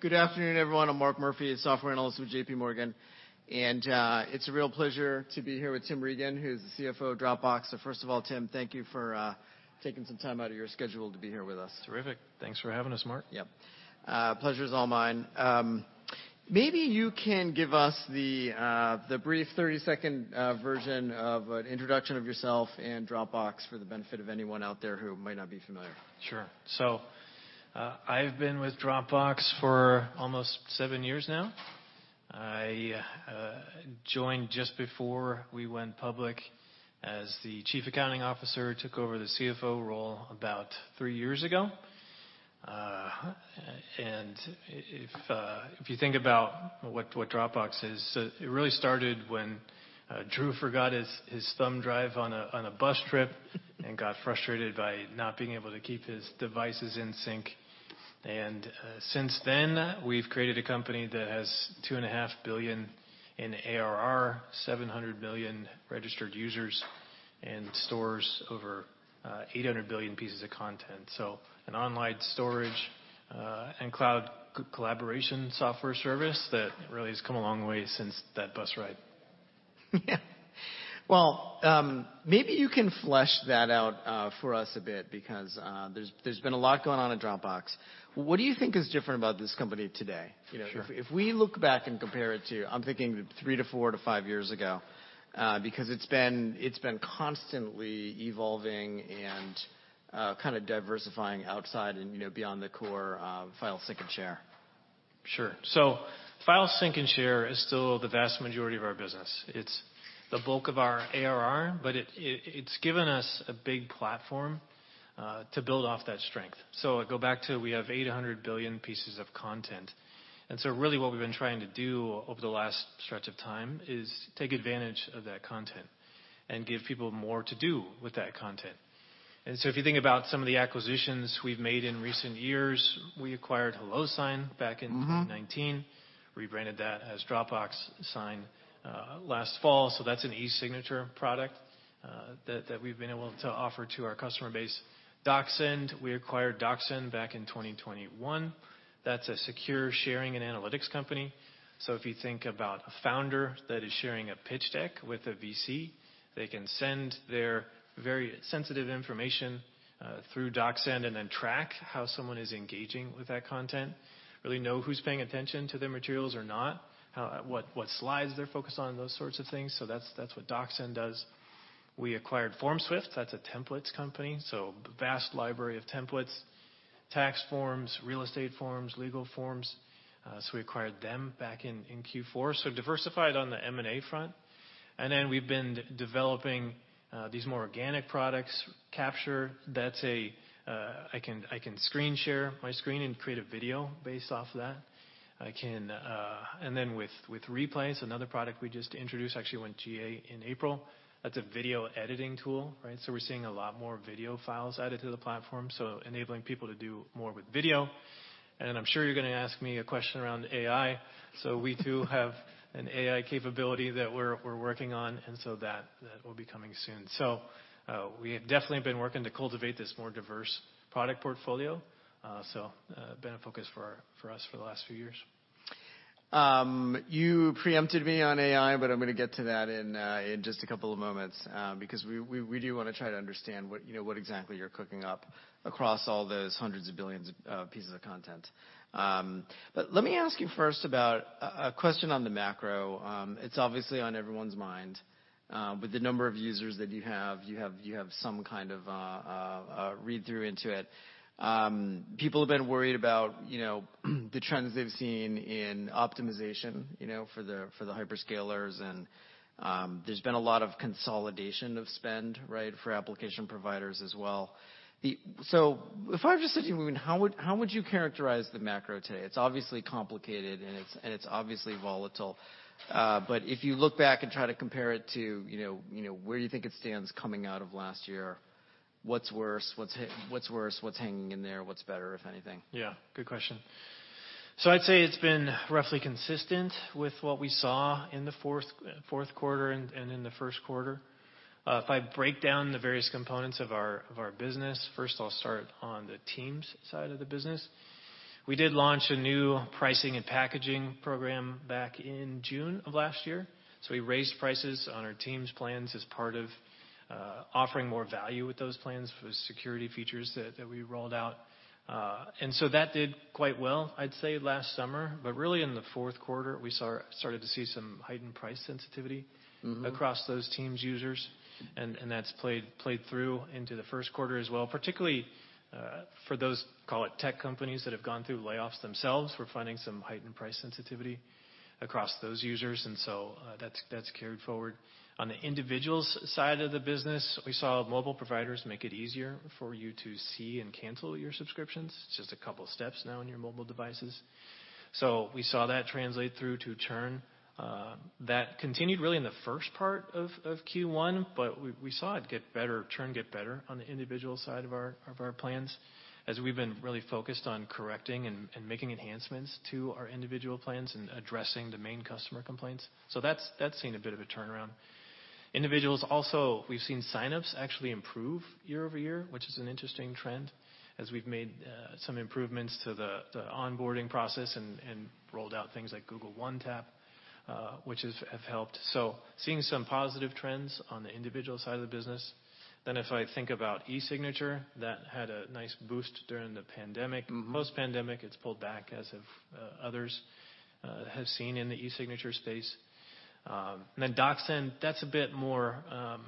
Good afternoon, everyone. I'm Mark Murphy, a software analyst with J.P. Morgan, it's a real pleasure to be here with Tim Regan, who's the CFO of Dropbox. First of all, Tim, thank you for taking some time out of your schedule to be here with us. Terrific. Thanks for having us, Mark. Yeah. Pleasure's all mine. Maybe you can give us the brief 30-second version of an introduction of yourself and Dropbox for the benefit of anyone out there who might not be familiar. I've been with Dropbox for almost seven years now. I joined just before we went public as the chief accounting officer, took over the CFO role about three years ago. If you think about what Dropbox is, it really started when Drew forgot his thumb drive on a bus trip and got frustrated by not being able to keep his devices in sync. Since then, we've created a company that has $2.5 billion in ARR, 700 million registered users, and stores over 800 billion pieces of content. An online storage and cloud collaboration software service that really has come a long way since that bus ride. Well, maybe you can flesh that out for us a bit because there's been a lot going on at Dropbox. What do you think is different about this company today? Sure. If we look back and compare it to, I'm thinking three to four to five years ago, because it's been constantly evolving and kind of diversifying outside and, you know, beyond the core, file sync and share. Sure. File sync and share is still the vast majority of our business. It's the bulk of our ARR, but it's given us a big platform to build off that strength. Go back to we have 800 billion pieces of content, really what we've been trying to do over the last stretch of time is take advantage of that content and give people more to do with that content. If you think about some of the acquisitions we've made in recent years, we acquired HelloSign back in- Mm-hmm. 2019, rebranded that as Dropbox Sign, last fall, so that's an e-signature product that we've been able to offer to our customer base. DocSend, we acquired DocSend back in 2021. That's a secure sharing and analytics company. If you think about a founder that is sharing a pitch deck with a VC, they can send their very sensitive information through DocSend and then track how someone is engaging with that content, really know who's paying attention to the materials or not, what slides they're focused on, those sorts of things. That's what DocSend does. We acquired FormSwift, that's a templates company, so vast library of templates, tax forms, real estate forms, legal forms. We acquired them back in Q4, so diversified on the M&A front. We've been developing these more organic products. Capture, that's a, I can, I can screen share my screen and create a video based off that. I can. Then with Replay, another product we just introduced actually went GA in April. That's a video editing tool, right? We're seeing a lot more video files added to the platform, so enabling people to do more with video. I'm sure you're gonna ask me a question around AI. We too have an AI capability that we're working on, and so that will be coming soon. We have definitely been working to cultivate this more diverse product portfolio, been a focus for us for the last few years. You preempted me on AI, but I'm gonna get to that in just a couple of moments because we do wanna try to understand what, you know, what exactly you're cooking up across all those hundreds of billions of pieces of content. Let me ask you first about a question on the macro. It's obviously on everyone's mind, but the number of users that you have, you have some kind of read-through into it. People have been worried about, you know, the trends they've seen in optimization, you know, for the hyperscalers and there's been a lot of consolidation of spend, right, for application providers as well. If I were just sitting with you, how would you characterize the macro today? It's obviously complicated, and it's obviously volatile. If you look back and try to compare it to, you know, where do you think it stands coming out of last year? What's worse? What's hanging in there? What's better, if anything? Yeah, good question. I'd say it's been roughly consistent with what we saw in the fourth quarter and in the first quarter. If I break down the various components of our business, first I'll start on the Teams side of the business. We did launch a new pricing and packaging program back in June of last year. We raised prices on our Teams plans as part of offering more value with those plans for the security features that we rolled out. That did quite well, I'd say, last summer. Really in the fourth quarter we started to see some heightened price sensitivity. Mm-hmm. -across those Teams users, and that's played through into the first quarter as well. Particularly, for those, call it tech companies that have gone through layoffs themselves, we're finding some heightened price sensitivity across those users. That's carried forward. On the individuals side of the business, we saw mobile providers make it easier for you to see and cancel your subscriptions. It's just two steps now on your mobile devices. We saw that translate through to churn that continued really in the first part of Q1, but we saw it get better, churn get better on the individual side of our plans, as we've been really focused on correcting and making enhancements to our individual plans and addressing the main customer complaints. That's seen a bit of a turnaround. Individuals also, we've seen sign-ups actually improve year-over-year, which is an interesting trend, as we've made some improvements to the onboarding process and rolled out things like Google One Tap, which have helped. Seeing some positive trends on the individual side of the business. If I think about e-signature, that had a nice boost during the pandemic. Mm-hmm. Post-pandemic, it's pulled back, as have, others, have seen in the e-signature space. DocSend, that's a bit more,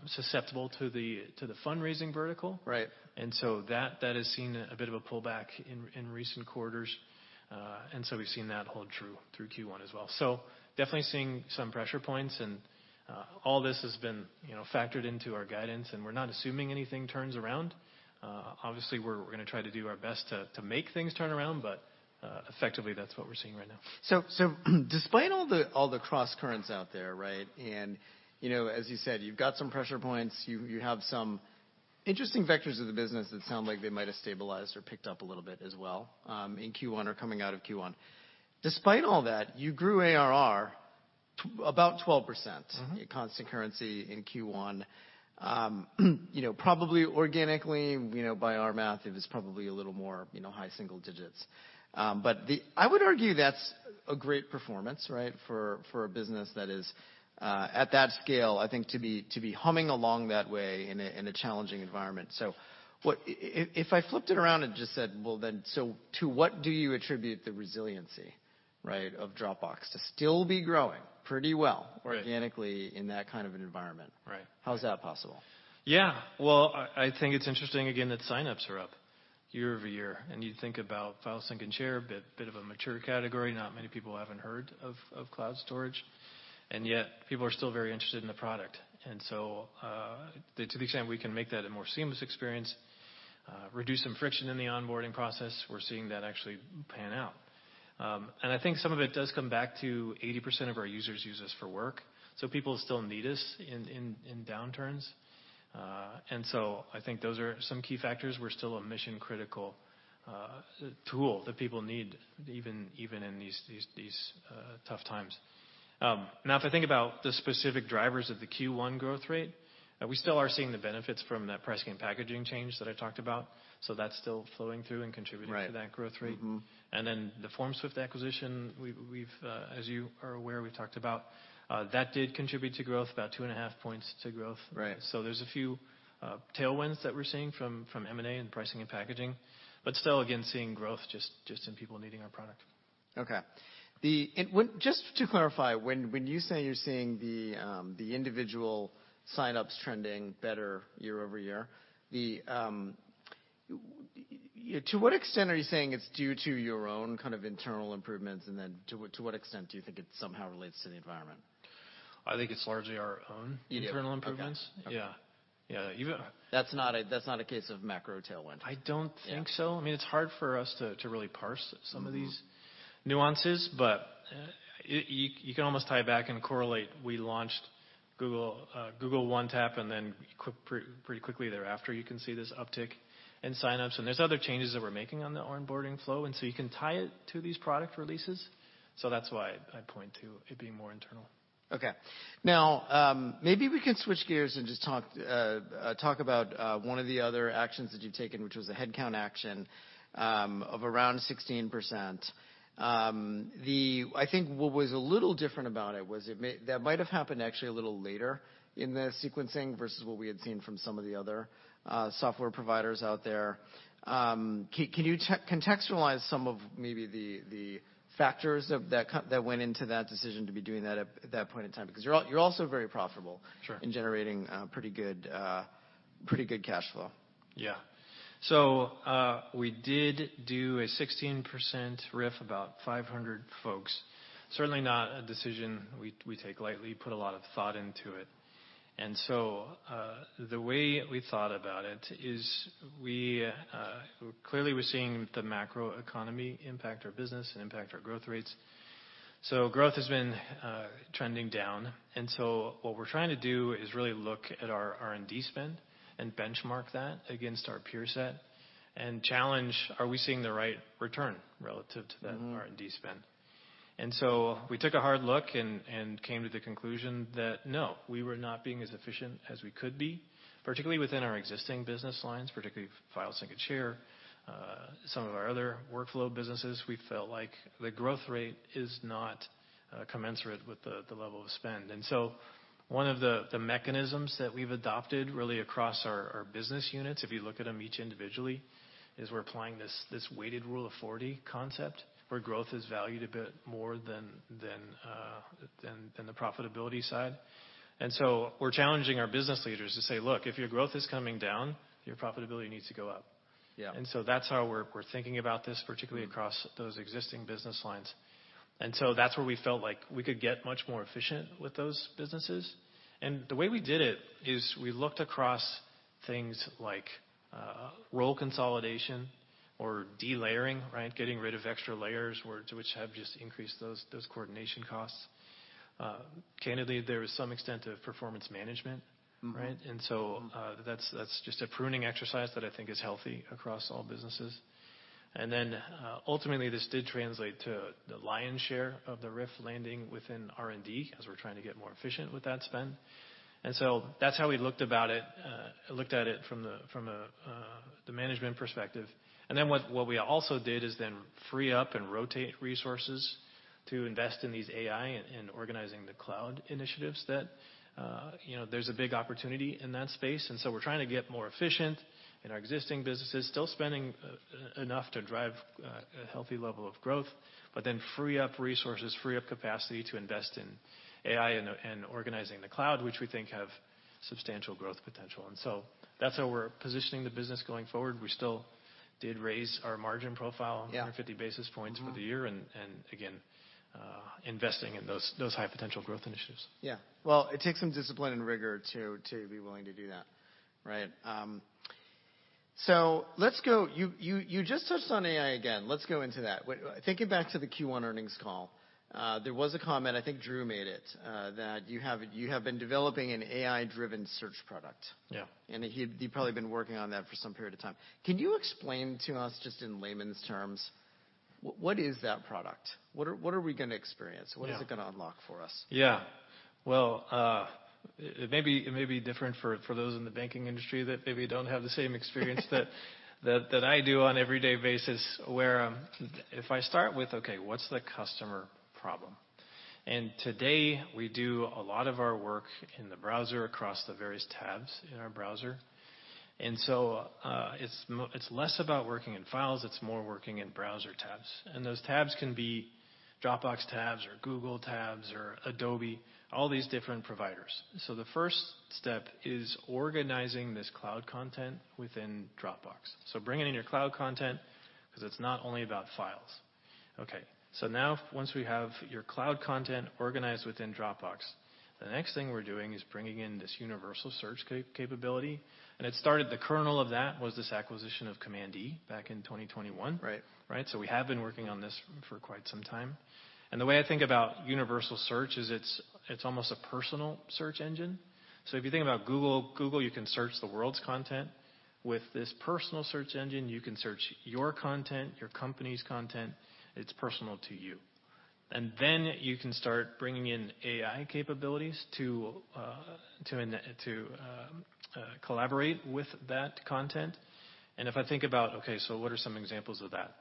susceptible to the, to the fundraising vertical. Right. That has seen a bit of a pullback in recent quarters. We've seen that hold true through Q1 as well. Definitely seeing some pressure points and, all this has been, you know, factored into our guidance, and we're not assuming anything turns around. Obviously we're gonna try to do our best to make things turn around, but, effectively that's what we're seeing right now. Despite all the crosscurrents out there, right? You know, as you said, you've got some pressure points. You have some interesting vectors of the business that sound like they might have stabilized or picked up a little bit as well, in Q1 or coming out of Q1. Despite all that, you grew ARR about 12%. Mm-hmm. constant currency in Q1. you know, probably organically, you know, by our math, it was probably a little more, you know, high single digits. I would argue that's a great performance, right? For a business that is at that scale, I think to be humming along that way in a challenging environment. If I flipped it around and just said, well, then, to what do you attribute the resiliency, right, of Dropbox to still be growing pretty well? Right. organically in that kind of an environment. Right. How is that possible? Yeah. Well, I think it's interesting again, that sign-ups are up year-over-year. You think about file sync and share, a bit of a mature category. Not many people haven't heard of cloud storage, and yet people are still very interested in the product. To the extent we can make that a more seamless experience, reduce some friction in the onboarding process, we're seeing that actually pan out. I think some of it does come back to 80% of our users use us for work, so people still need us in downturns. I think those are some key factors. We're still a mission-critical tool that people need even in these tough times. Now, if I think about the specific drivers of the Q1 growth rate, we still are seeing the benefits from that pricing and packaging change that I talked about. That's still flowing through and contributing. Right. to that growth rate. Mm-hmm. The FormSwift acquisition, we've, as you are aware, we talked about, that did contribute to growth, about 2.5 points to growth. Right. There's a few tailwinds that we're seeing from M&A and pricing and packaging. Still, again, seeing growth just in people needing our product. Okay. Just to clarify, when you say you're seeing the individual sign-ups trending better year-over-year, to what extent are you saying it's due to your own kind of internal improvements? To what extent do you think it somehow relates to the environment? I think it's largely our own... You do? Okay. internal improvements. Yeah. Yeah. That's not a case of macro tailwind? I don't think so. Yeah. I mean, it's hard for us to really parse some of these. Mm-hmm. nuances, but, you can almost tie back and correlate. We launched Google One Tap, and then pretty quickly thereafter, you can see this uptick in sign-ups, and there's other changes that we're making on the onboarding flow, and so you can tie it to these product releases. That's why I point to it being more internal. Okay. Now, maybe we can switch gears and just talk talk about one of the other actions that you've taken, which was the headcount action of around 16%. I think what was a little different about it was that might have happened actually a little later in the sequencing versus what we had seen from some of the other software providers out there. Can you contextualize some of maybe the factors that went into that decision to be doing that at that point in time? Because you're also very profitable- Sure. in generating, pretty good cash flow. Yeah. We did do a 16% RIF, about 500 folks. Certainly not a decision we take lightly. Put a lot of thought into it. The way we thought about it is we clearly we're seeing the macroeconomy impact our business and impact our growth rates. Growth has been trending down. What we're trying to do is really look at our R&D spend and benchmark that against our peer set and challenge are we seeing the right return relative to that. Mm-hmm. R&D spend. We took a hard look and came to the conclusion that, no, we were not being as efficient as we could be, particularly within our existing business lines, particularly file sync and share. Some of our other workflow businesses, we felt like the growth rate is not commensurate with the level of spend. One of the mechanisms that we've adopted really across our business units, if you look at them each individually, is we're applying this weighted Rule of 40 concept, where growth is valued a bit more than the profitability side. We're challenging our business leaders to say, "Look, if your growth is coming down, your profitability needs to go up. Yeah. That's how we're thinking about this. Mm. -particularly across those existing business lines. That's where we felt like we could get much more efficient with those businesses. The way we did it is we looked across things like, role consolidation or delayering, right? Getting rid of extra layers to which have just increased those coordination costs. Candidly, there was some extent of performance management. Right. That's, that's just a pruning exercise that I think is healthy across all businesses. Then, ultimately, this did translate to the lion's share of the RIF landing within R&D, as we're trying to get more efficient with that spend. That's how we looked about it, looked at it from the, from a, the management perspective. What we also did is then free up and rotate resources to invest in these AI and organizing the cloud initiatives that, you know, there's a big opportunity in that space. We're trying to get more efficient in our existing businesses, still spending enough to drive a healthy level of growth, but then free up resources, free up capacity to invest in AI and organizing the cloud, which we think have substantial growth potential. That's how we're positioning the business going forward. We still did raise our margin profile. Yeah. -150 basis points for the year and again, investing in those high potential growth initiatives. Yeah. Well, it takes some discipline and rigor to be willing to do that, right? You just touched on AI again. Let's go into that. Thinking back to the Q1 earnings call, there was a comment, I think Drew made it, that you have been developing an AI-driven search product. Yeah. He'd probably been working on that for some period of time. Can you explain to us, just in layman's terms, what is that product? What are we gonna experience? Yeah. What is it gonna unlock for us? Yeah. Well, it may be, it may be different for those in the banking industry that maybe don't have the same experience that I do on an everyday basis, where, if I start with, okay, what's the customer problem? Today, we do a lot of our work in the browser across the various tabs in our browser. So, it's less about working in files, it's more working in browser tabs. Those tabs can be Dropbox tabs or Google tabs or Adobe, all these different providers. So the first step is organizing this cloud content within Dropbox. So bringing in your cloud content 'cause it's not only about files. Now once we have your cloud content organized within Dropbox, the next thing we're doing is bringing in this universal search capability, and it started, the kernel of that was this acquisition of Command E back in 2021. Right. Right? We have been working on this for quite some time. The way I think about universal search is it's almost a personal search engine. If you think about Google, you can search the world's content. With this personal search engine, you can search your content, your company's content. It's personal to you. Then you can start bringing in AI capabilities to collaborate with that content. If I think about, okay, what are some examples of that?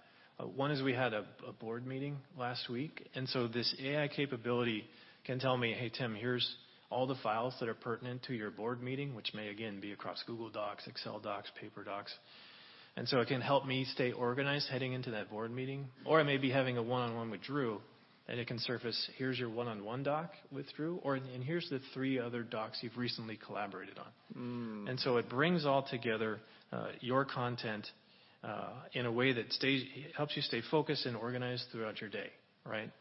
One is we had a board meeting last week, this AI capability can tell me, "Hey, Tim, here's all the files that are pertinent to your board meeting," which may again be across Google Docs, Excel docs, Paper docs. It can help me stay organized heading into that board meeting. I may be having a one-on-one with Drew, and it can surface, "Here's your one-on-one doc with Drew," or "Here's the three other docs you've recently collaborated on. Mm. It brings all together your content in a way that helps you stay focused and organized throughout your day, right?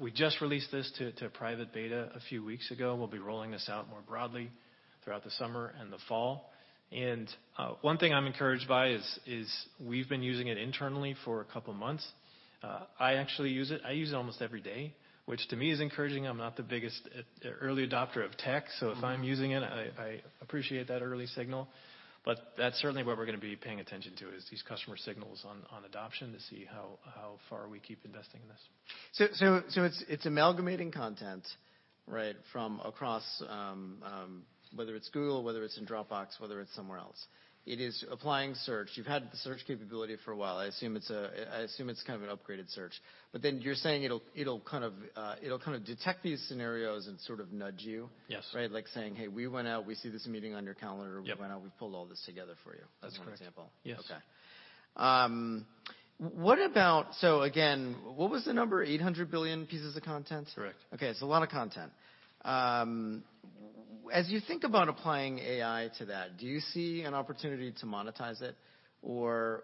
We just released this to private beta a few weeks ago. We'll be rolling this out more broadly throughout the summer and the fall. One thing I'm encouraged by is we've been using it internally for a couple months. I actually use it. I use it almost every day, which to me is encouraging. I'm not the biggest early adopter of tech. Mm-hmm. If I'm using it, I appreciate that early signal. That's certainly what we're gonna be paying attention to is these customer signals on adoption to see how far we keep investing in this. It's amalgamating content, right, from across, whether it's Google, whether it's in Dropbox, whether it's somewhere else. It is applying search. You've had the search capability for a while. I assume it's kind of an upgraded search. You're saying it'll kind of detect these scenarios and sort of nudge you? Yes. Right? Like saying, "Hey, we went out, we see this meeting on your calendar. Yep. We went out, we pulled all this together for you. That's correct. As one example. Yes. Okay. what about... again, what was the number? 800 billion pieces of content? Correct. Okay. A lot of content. As you think about applying AI to that, do you see an opportunity to monetize it? Or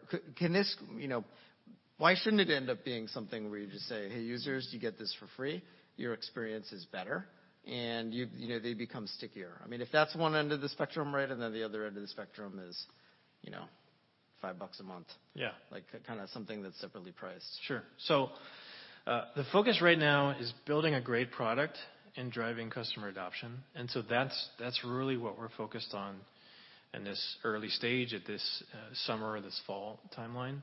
why shouldn't it end up being something where you just say, "Hey, users, you get this for free. Your experience is better," and you know, they become stickier. I mean, if that's one end of the spectrum, right? The other end of the spectrum is, you know, five bucks a month. Yeah. Like, kinda something that's separately priced. Sure. The focus right now is building a great product and driving customer adoption. That's really what we're focused on in this early stage at this summer or this fall timeline.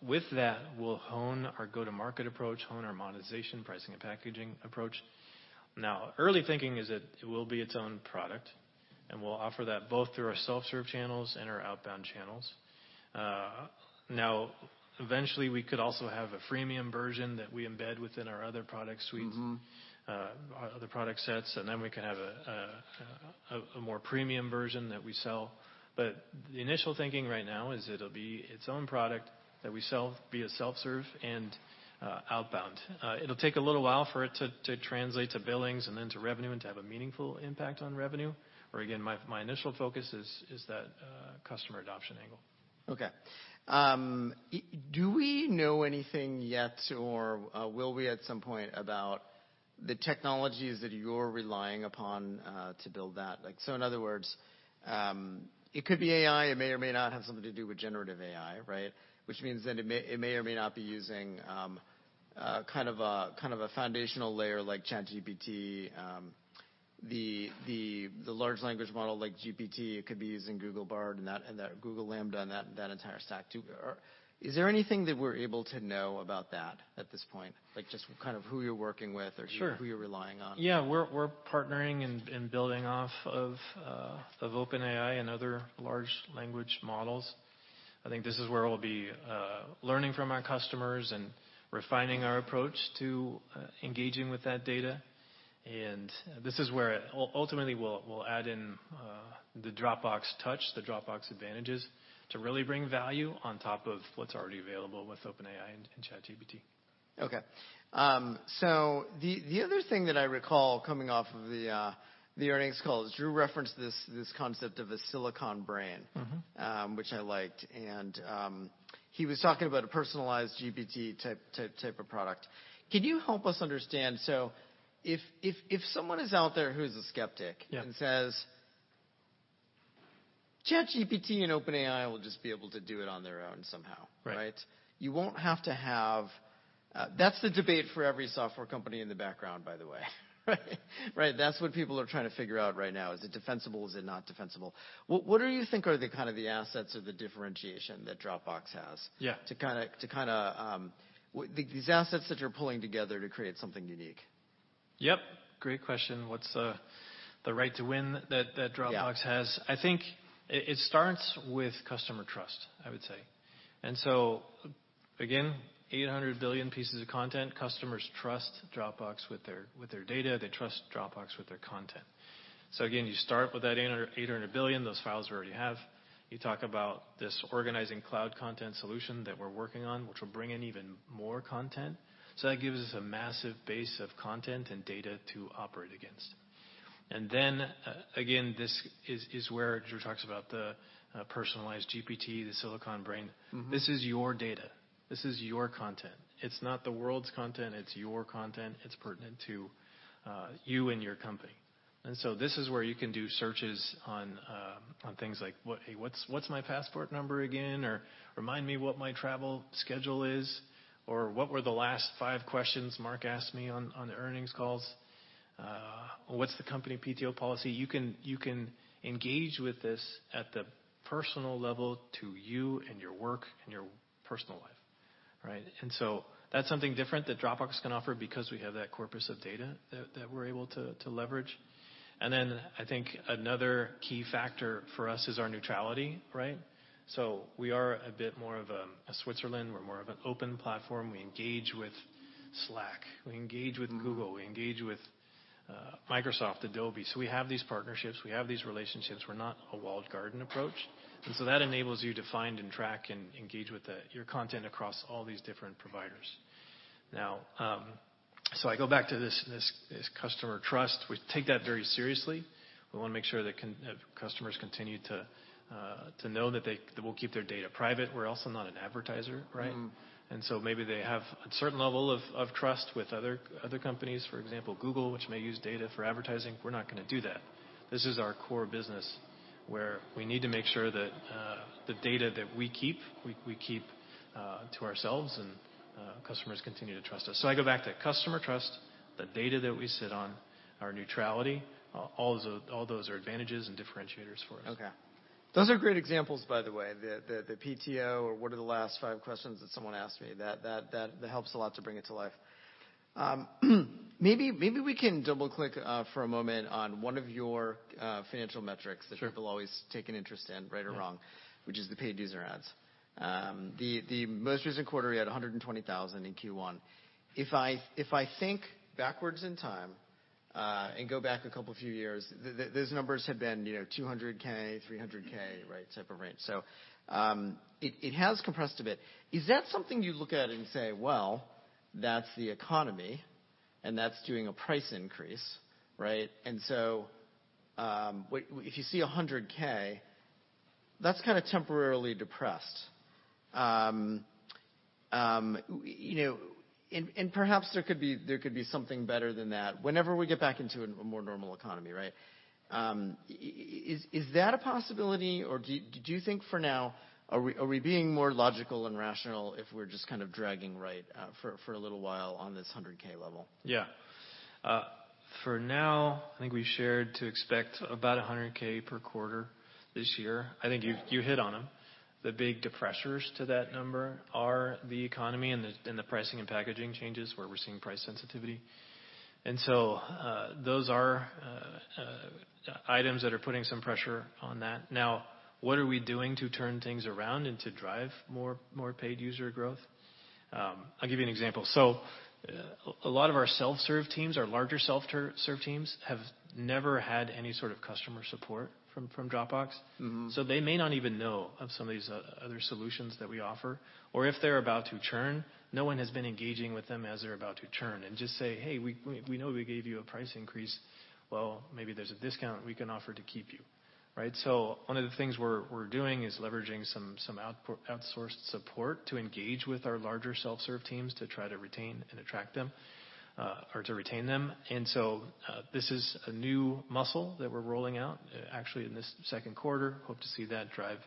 With that, we'll hone our go-to-market approach, hone our monetization, pricing, and packaging approach. Early thinking is that it will be its own product, and we'll offer that both through our self-serve channels and our outbound channels. Eventually, we could also have a freemium version that we embed within our other product suites. Mm-hmm. Other product sets, and then we can have a more premium version that we sell. The initial thinking right now is it'll be its own product that we sell via self-serve and outbound. It'll take a little while for it to translate to billings and then to revenue and to have a meaningful impact on revenue. Again, my initial focus is that customer adoption angle. Okay. Do we know anything yet or will we at some point about the technologies that you're relying upon to build that? Like, so in other words, it could be AI. It may or may not have something to do with generative AI, right? Which means it may or may not be using kind of a foundational layer like ChatGPT, the large language model like GPT could be using Google Bard and that Google LaMDA and that entire stack too. Is there anything that we're able to know about that at this point? Like just kind of who you're working with or? Sure. who you're relying on? Yeah. We're partnering and building off of OpenAI and other large language models. I think this is where we'll be learning from our customers and refining our approach to engaging with that data. This is where it ultimately will add in the Dropbox touch, the Dropbox advantages to really bring value on top of what's already available with OpenAI and ChatGPT. Okay. The other thing that I recall coming off of the earnings call is Drew referenced this concept of a silicon brain. Mm-hmm. Which I liked. He was talking about a personalized GPT type of product. Can you help us understand? If someone is out there who's a skeptic. Yeah. and says, "ChatGPT and OpenAI will just be able to do it on their own somehow. Right. That's the debate for every software company in the background, by the way. Right? That's what people are trying to figure out right now. Is it defensible? Is it not defensible? What do you think are the kind of the assets or the differentiation that Dropbox has? Yeah. to kinda, these assets that you're pulling together to create something unique? Yep. Great question. What's the right to win that Dropbox has? Yeah. I think it starts with customer trust, I would say. Again, 800 billion pieces of content. Customers trust Dropbox with their data. They trust Dropbox with their content. Again, you start with that 800 billion, those files we already have. You talk about this organizing cloud content solution that we're working on, which will bring in even more content. That gives us a massive base of content and data to operate against. Again, this is where Drew talks about the personalized GPT, the silicon brain. Mm-hmm. This is your data. This is your content. It's not the world's content. It's your content. It's pertinent to you and your company. This is where you can do searches on things like what "Hey, what's my passport number again?" Or, "Remind me what my travel schedule is." Or, "What were the last five questions Mark asked me on the earnings calls?" "What's the company PTO policy?" You can engage with this at the personal level to you and your work and your personal life, right? That's something different that Dropbox can offer because we have that corpus of data that we're able to leverage. I think another key factor for us is our neutrality, right? We are a bit more of a Switzerland. We're more of an open platform. We engage with Slack. We engage with Google. We engage with Microsoft, Adobe. We have these partnerships. We have these relationships. We're not a walled garden approach. That enables you to find and track and engage with your content across all these different providers. Now, I go back to this, this customer trust. We take that very seriously. We wanna make sure that customers continue to know that they, we'll keep their data private. We're also not an advertiser, right? Mm-hmm. Maybe they have a certain level of trust with other companies, for example, Google, which may use data for advertising. We're not gonna do that. This is our core business where we need to make sure that the data that we keep to ourselves and customers continue to trust us. I go back to customer trust, the data that we sit on, our neutrality, all of those are advantages and differentiators for us. Okay. Those are great examples by the way. The PTO or what are the last five questions that someone asked me. That helps a lot to bring it to life. Maybe we can double-click, for a moment on one of your, financial metrics. Sure. that people always take an interest in, right or wrong, which is the paid user ads. The most recent quarter, you had 120,000 in Q1. If I think backwards in time, and go back a couple few years, these numbers have been, you know, 200k, 300k, right? Type of range. If you see 100k, that's kinda temporarily depressed. You know, and perhaps there could be something better than that whenever we get back into a more normal economy, right? Is that a possibility, or do you think for now, are we being more logical and rational if we're just kind of dragging, right, for a little while on this 100k level? Yeah. For now, I think we've shared to expect about $100k per quarter this year. I think you hit on them. The big depressures to that number are the economy and the pricing and packaging changes, where we're seeing price sensitivity. Those are items that are putting some pressure on that. Now, what are we doing to turn things around and to drive more paid user growth? I'll give you an example. A lot of our self-serve teams, our larger self-serve teams, have never had any sort of customer support from Dropbox. Mm-hmm. They may not even know of some of these other solutions that we offer or if they're about to churn, no one has been engaging with them as they're about to churn and just say, "Hey, we know we gave you a price increase. Well, maybe there's a discount we can offer to keep you." Right? One of the things we're doing is leveraging some outsourced support to engage with our larger self-serve teams to try to retain and attract them, or to retain them. This is a new muscle that we're rolling out actually in this second quarter. Hope to see that drive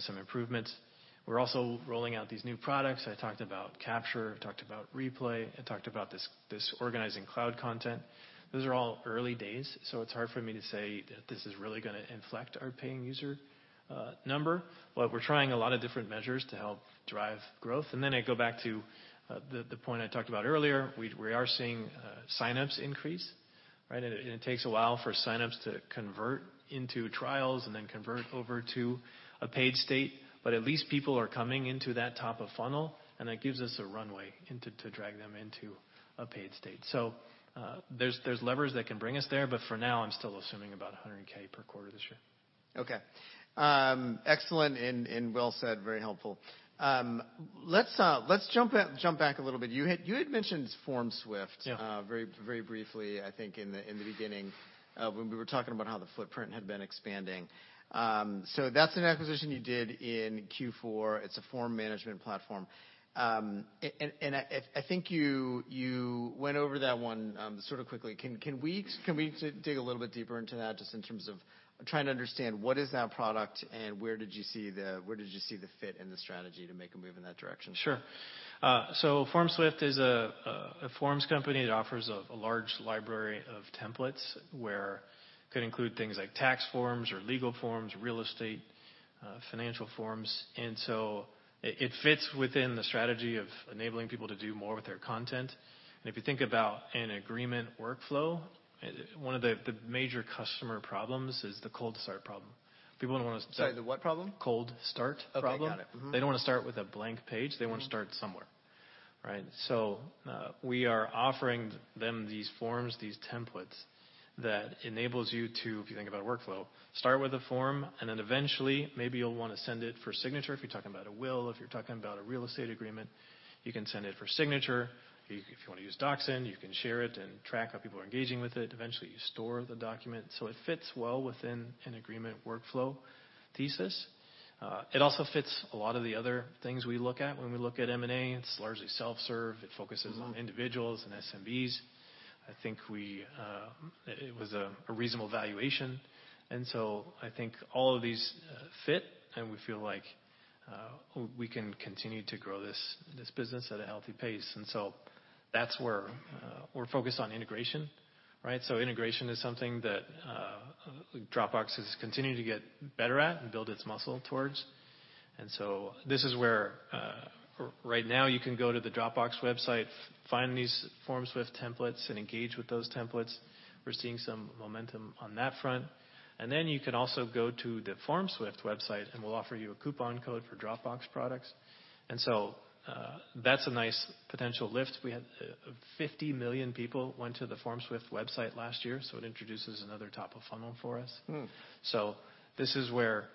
some improvements. We're also rolling out these new products. I talked about Capture, I talked about Replay. I talked about this organizing cloud content. Those are all early days, it's hard for me to say that this is really gonna inflect our paying user number. We're trying a lot of different measures to help drive growth. I go back to the point I talked about earlier. We are seeing signups increase, right? It, and it takes a while for signups to convert into trials and then convert over to a paid state. At least people are coming into that top of funnel, and that gives us a runway into to drag them into a paid state. There's, there's levers that can bring us there, but for now, I'm still assuming about 100K per quarter this year. Okay. Excellent and well said. Very helpful. Let's jump back a little bit. You had mentioned FormSwift... Yeah. very, very briefly, I think, in the, in the beginning of when we were talking about how the footprint had been expanding. That's an acquisition you did in Q4. It's a form management platform. I think you went over that one, sort of quickly. Can we dig a little bit deeper into that, just in terms of trying to understand what is that product, and where did you see the, where did you see the fit and the strategy to make a move in that direction? Sure. FormSwift is a forms company. It offers a large library of templates where it could include things like tax forms or legal forms, real estate, financial forms. It fits within the strategy of enabling people to do more with their content. If you think about an agreement workflow, one of the major customer problems is the cold start problem. People don't wanna start. Sorry, the what problem? cold start problem. Okay, got it. Mm-hmm. They don't wanna start with a blank page. Mm-hmm. They wanna start somewhere, right? We are offering them these forms, these templates that enables you to, if you think about workflow, start with a form, and then eventually maybe you'll wanna send it for signature if you're talking about a will, if you're talking about a real estate agreement, you can send it for signature. If you wanna use DocSend, you can share it and track how people are engaging with it, eventually you store the document. It fits well within an agreement workflow thesis. It also fits a lot of the other things we look at when we look at M&A. It's largely self-serve. It focuses. Mm-hmm. on individuals and SMBs. I think we, it was a reasonable valuation. I think all of these fit, and we feel like we can continue to grow this business at a healthy pace. That's where we're focused on integration, right? Integration is something that Dropbox is continuing to get better at and build its muscle towards. This is where right now you can go to the Dropbox website, find these FormSwift templates, and engage with those templates. We're seeing some momentum on that front. You can also go to the FormSwift website, and we'll offer you a coupon code for Dropbox products. That's a nice potential lift. We had 50 million people went to the FormSwift website last year, so it introduces another top of funnel for us. Hmm. This is where,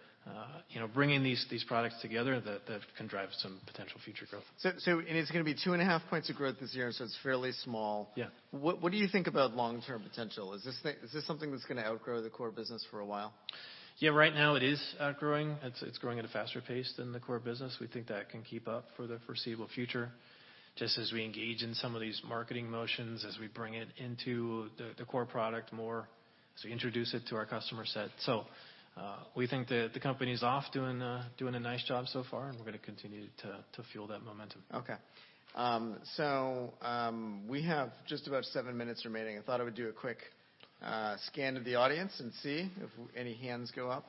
you know, bringing these products together, that can drive some potential future growth. It's going to be 2.5 points of growth this year, so it's fairly small. Yeah. What do you think about long-term potential? Is this something that's gonna outgrow the core business for a while? Yeah. Right now it is outgrowing. It's growing at a faster pace than the core business. We think that can keep up for the foreseeable future, just as we engage in some of these marketing motions, as we bring it into the core product more, as we introduce it to our customer set. We think the company's off doing a nice job so far, and we're gonna continue to fuel that momentum. Okay. We have just about seven minutes remaining. I thought I would do a quick scan of the audience and see if any hands go up.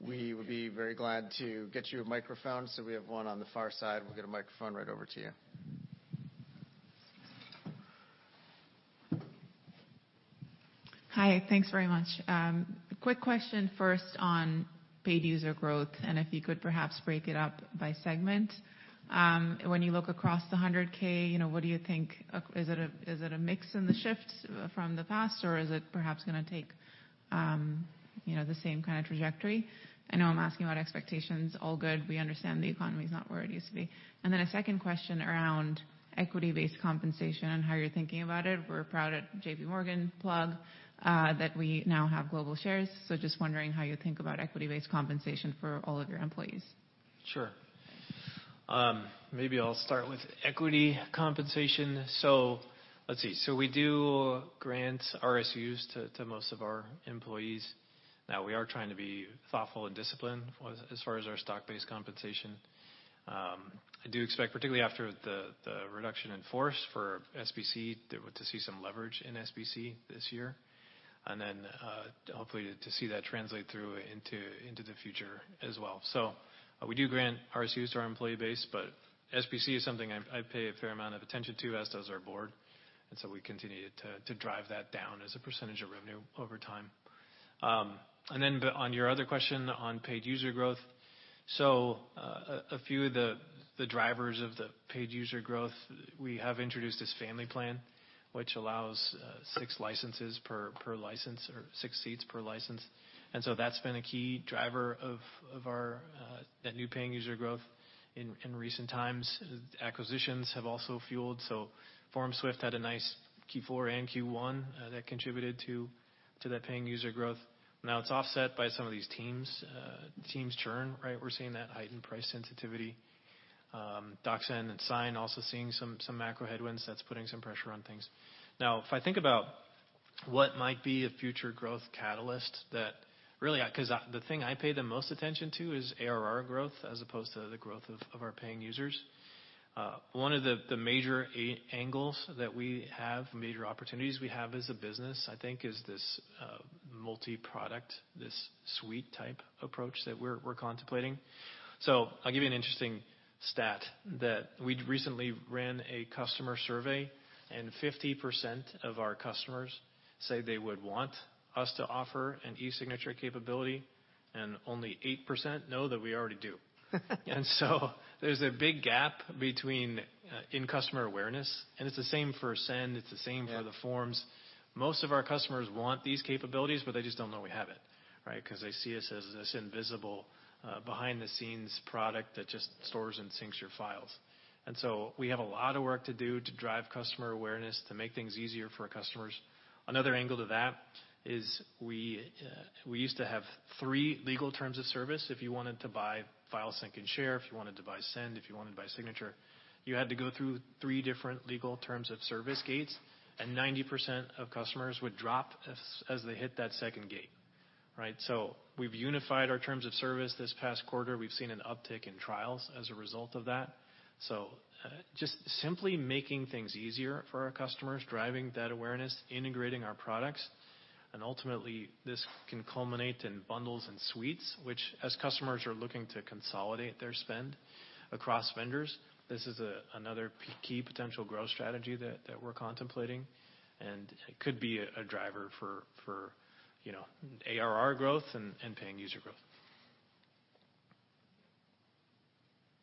We would be very glad to get you a microphone. We have one on the far side. We'll get a microphone right over to you. Hi, thanks very much. Quick question first on paid user growth and if you could perhaps break it up by segment. When you look across the 100k, you know, what do you think? Is it a mix in the shift from the past, or is it perhaps gonna take, you know, the same kind of trajectory? I know I'm asking about expectations. All good. We understand the economy is not where it used to be. A second question around equity-based compensation and how you're thinking about it. We're proud at J.P. Morgan, plug, that we now have Global Shares. Just wondering how you think about equity-based compensation for all of your employees. Sure. Maybe I'll start with equity compensation. Let's see. We do grant RSUs to most of our employees. Now we are trying to be thoughtful and disciplined as far as our stock-based compensation. I do expect, particularly after the reduction in force for SBC, to see some leverage in SBC this year, and hopefully to see that translate through into the future as well. We do grant RSUs to our employee base, but SBC is something I pay a fair amount of attention to, as does our board, we continue to drive that down as a percentage of revenue over time. On your other question on paid user growth. A few of the drivers of the paid user growth, we have introduced this family plan which allows 6 licenses per license or 6 seats per license, and so that's been a key driver of our that new paying user growth in recent times. Acquisitions have also fueled. FormSwift had a nice Q4 and Q1 that contributed to that paying user growth. Now it's offset by some of these teams churn, right? We're seeing that heightened price sensitivity. Docs and Sign also seeing some macro headwinds that's putting some pressure on things. Now, if I think about what might be a future growth catalyst that really, 'cause the thing I pay the most attention to is ARR growth as opposed to the growth of our paying users. One of the major angles that we have, major opportunities we have as a business, I think, is this multiproduct, this suite type approach that we're contemplating. I'll give you an interesting stat that we'd recently ran a customer survey. 50% of our customers say they would want us to offer an e-signature capability. Only 8% know that we already do. There's a big gap between in customer awareness. It's the same for Transfer, it's the same for- Yeah. The Forms. Most of our customers want these capabilities, they just don't know we have it, right? Because they see us as this invisible, behind-the-scenes product that just stores and syncs your files. We have a lot of work to do to drive customer awareness to make things easier for our customers. Another angle to that is we used to have three legal terms of service if you wanted to buy file sync and share, if you wanted to buy Transfer, if you wanted to buy Signature, you had to go through three different legal terms of service gates, and 90% of customers would drop as they hit that second gate, right? We've unified our terms of service this past quarter. We've seen an uptick in trials as a result of that. Just simply making things easier for our customers, driving that awareness, integrating our products, and ultimately, this can culminate in bundles and suites which, as customers are looking to consolidate their spend across vendors, this is another key potential growth strategy that we're contemplating. It could be a driver for, you know, ARR growth and paying user growth.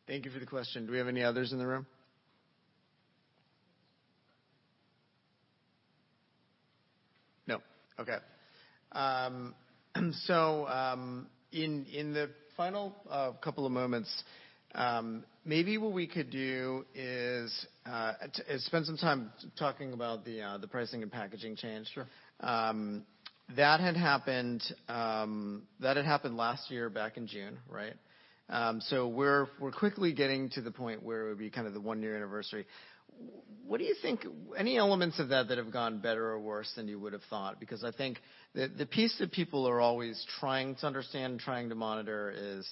Thank you for the question. Do we have any others in the room? No. Okay. In, in the final, couple of moments, maybe what we could do is, spend some time talking about the pricing and packaging change. Sure. That had happened last year back in June, right? We're quickly getting to the point where it would be kind of the one-year anniversary. What do you think? Any elements of that that have gone better or worse than you would have thought? I think the piece that people are always trying to understand, trying to monitor is,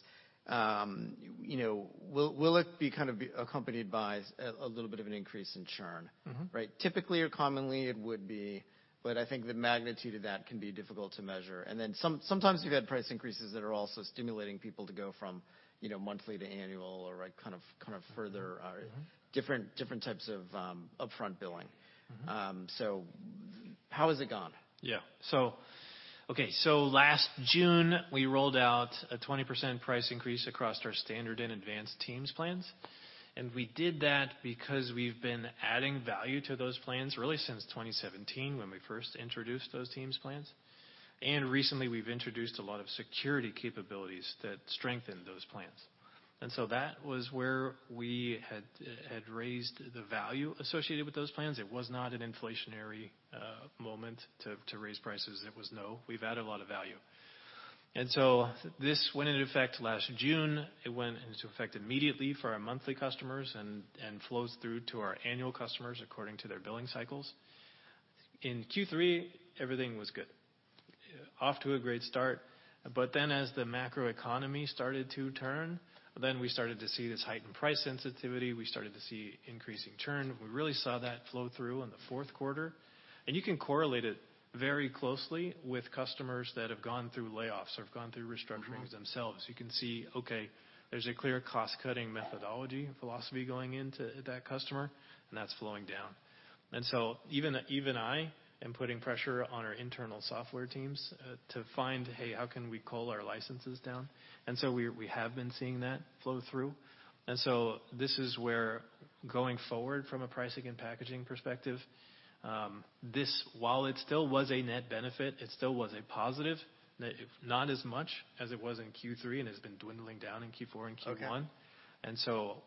you know, will it be kind of accompanied by a little bit of an increase in churn? Mm-hmm. Right. Typically or commonly it would be, but I think the magnitude of that can be difficult to measure. Then sometimes you've had price increases that are also stimulating people to go from, you know, monthly to annual or like kind of further. Mm-hmm. different types of upfront billing. Mm-hmm. How has it gone? Last June, we rolled out a 20% price increase across our standard and advanced teams plans, and we did that because we've been adding value to those plans really since 2017 when we first introduced those teams plans. Recently we've introduced a lot of security capabilities that strengthen those plans. That was where we had raised the value associated with those plans. It was not an inflationary moment to raise prices. It was no, we've added a lot of value. This went into effect last June. It went into effect immediately for our monthly customers and flows through to our annual customers according to their billing cycles. In Q3, everything was good. Off to a great start. As the macroeconomy started to turn, we started to see this heightened price sensitivity. We started to see increasing churn. We really saw that flow through in the fourth quarter. You can correlate it very closely with customers that have gone through layoffs or have gone through restructurings. Mm-hmm. themselves. You can see, okay, there's a clear cost-cutting methodology philosophy going into that customer, and that's flowing down. Even I am putting pressure on our internal software teams to find, "Hey, how can we cull our licenses down?" We have been seeing that flow through. This is where going forward from a pricing and packaging perspective, this, while it still was a net benefit, it still was a positive, not as much as it was in Q3 and has been dwindling down in Q4 and Q1. Okay.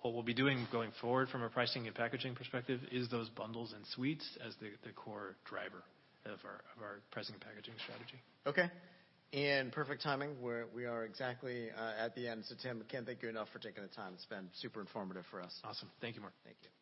What we'll be doing going forward from a pricing and packaging perspective is those bundles and suites as the core driver of our pricing and packaging strategy. Okay. perfect timing, we are exactly at the end. Tim, I can't thank you enough for taking the time. It's been super informative for us. Awesome. Thank you, Mark. Thank you.